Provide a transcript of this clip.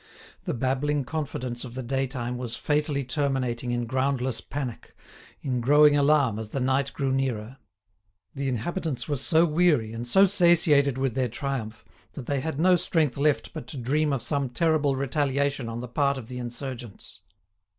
The babbling confidence of the daytime was fatally terminating in groundless panic, in growing alarm as the night drew nearer; the inhabitants were so weary and so satiated with their triumph that they had no strength left but to dream of some terrible retaliation on the part of the insurgents.